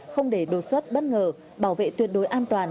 không để đột xuất bất ngờ bảo vệ tuyệt đối an toàn